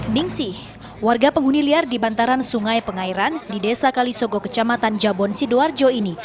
ningsih warga penghuni liar di bantaran sungai pengairan di desa kalisogo kecamatan jabon sidoarjo ini